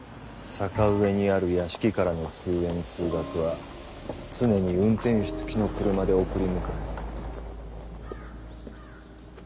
坂上にある屋敷からの通園通学は常に運転手つきの車で送り迎え。